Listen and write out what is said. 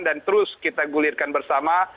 dan terus kita gulirkan bersama